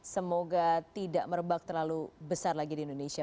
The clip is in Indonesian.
semoga tidak merebak terlalu besar lagi di indonesia